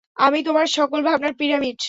আমি-ই তোমার সকল ভাবনার পিরামিড!